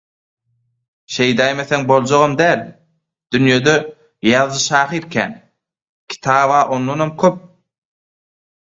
Şeýdäýmeseň boljagam däl, dünýe-de ýazyjy-şahyr kän, kitab-a ondanam köp.